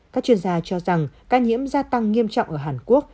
các chuyên gia cho rằng ca nhiễm gia tăng nghiêm trọng ở hàn quốc